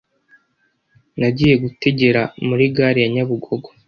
Nagiye gutegera muri gare ya Nyabugogo